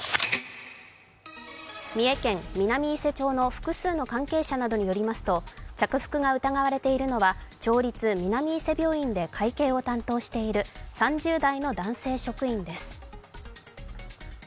三重県南伊勢町の複数の関係者などによりますと、着服が疑われているのは町立南伊勢病院で会計を担当している３０代の男性職員です。